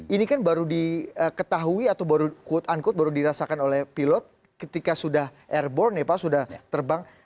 ini kan baru diketahui atau baru quote unquote baru dirasakan oleh pilot ketika sudah airborne ya pak sudah terbang